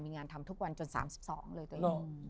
มีงานทำทุกวันจน๓๒เลยตัวเอง